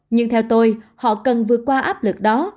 nhưng theo tôi họ cần vượt qua áp lực đó